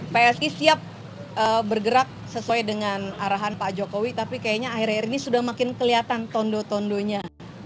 psi siap bergerak sesuai dengan arahan pak jokowi tapi kayaknya akhir akhir ini sudah makin kelihatan tondo tondonya